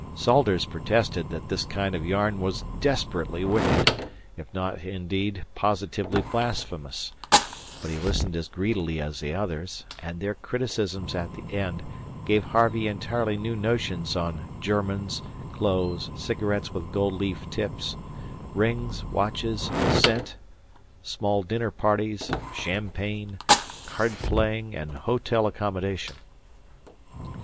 Salters protested that this kind of yarn was desperately wicked, if not indeed positively blasphemous, but he listened as greedily as the others; and their criticisms at the end gave Harvey entirely new notions on "germans," clothes, cigarettes with gold leaf tips, rings, watches, scent, small dinner parties, champagne, card playing, and hotel accommodation.